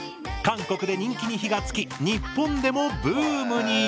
韓国で人気に火がつき日本でもブームに。